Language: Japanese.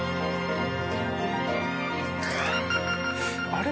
あれ？